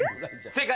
正解。